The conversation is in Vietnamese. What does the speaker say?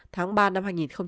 tháng ba năm hai nghìn bảy